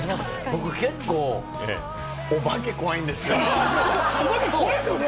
僕、結構お化け、怖いんですよ。